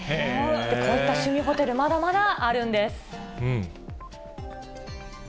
こういった趣味ホテル、まだまだあるんです。